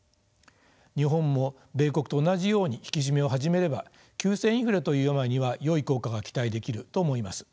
日本も米国と同じように引き締めを始めれば急性インフレという病にはよい効果が期待できると思います。